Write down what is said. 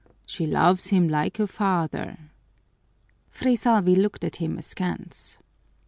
"She loves him like a father." Fray Salvi looked at him askance.